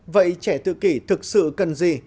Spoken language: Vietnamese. vậy trẻ tự kỷ thực sự cần gì